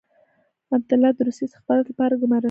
عبدالله د روسي استخباراتو لپاره ګمارل شوی دی.